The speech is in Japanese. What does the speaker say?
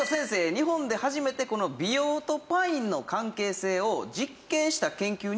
日本で初めて美容とパインの関係性を実験した研究に携わったと。